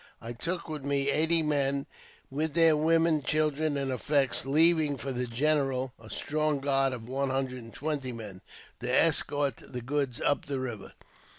I took with me eighty men, with their women, children, and effects, leaving for the general a strong guard of one hundred and twenty men, to escort the goods up the river.